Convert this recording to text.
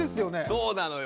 そうなのよ。